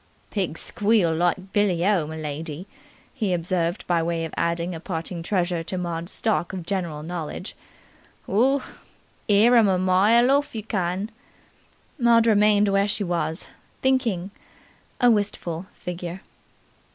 "Pigs squeal like billy o, m'lady!" he observed by way of adding a parting treasure to Maud's stock of general knowledge. "Oo! 'Ear 'em a mile orf, you can!" Maud remained where she was, thinking, a wistful figure.